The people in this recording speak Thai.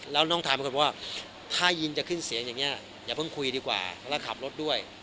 แล้วน้องทายเป็นคนบอกว่าถ้ายินจะขึ้นเสียงอย่างนี้อย่าเพิ่งคุยดีกว่าแล้วขับรถด้วย